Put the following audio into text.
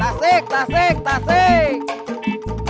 tasik tasik tasik